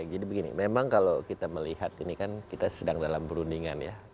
jadi begini memang kalau kita melihat ini kan kita sedang dalam perundingan ya